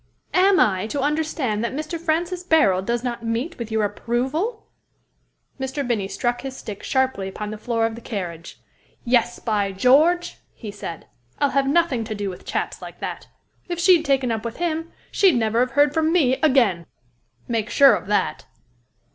"Am I to understand that Mr. Francis Barold does not meet with your approval?" Mr. Binnie struck his stick sharply upon the floor of the carriage. "Yes, by George!" he said. "I'll have nothing to do with chaps like that. If she'd taken up with him, she'd never have heard from me again. Make sure of that."